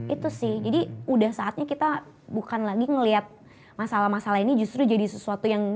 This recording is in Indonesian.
itu sih jadi udah saatnya kita bukan lagi ngelihat masalah masalah ini justru jadi sesuatu yang